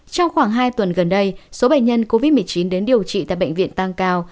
trong khoảng hai tuần gần đây số bệnh nhân covid một mươi chín đến điều trị tại bệnh viện tăng cao